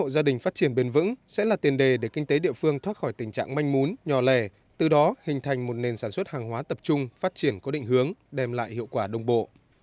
gia đình phát triển bền vững sẽ là tiền đề để kinh tế địa phương thoát khỏi tình trạng manh mún nhỏ lẻ từ đó hình thành một nền sản xuất hàng hóa tập trung phát triển có định hướng đem lại hiệu quả đồng bộ